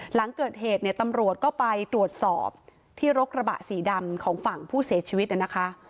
หลังเกิดเหตุเนี่ยตำรวจก็ไปตรวจสอบที่รถกระบะสีดำของฝั่งผู้เสียชีวิตนะคะ